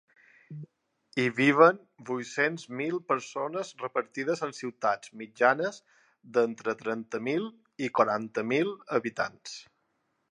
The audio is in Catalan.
Hi viuen vuit-cents mil persones repartides en ciutats mitjanes d’entre trenta mil i quaranta mil habitants.